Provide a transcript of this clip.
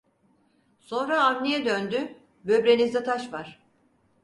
Sonra Avni'ye döndü: Böbreğinizde taş var.